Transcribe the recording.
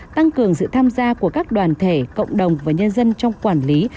tăng cường sự tham gia của các đoàn thể cộng đồng và nhân dân trong quản lý